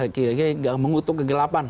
dia tidak mengutuk kegelapan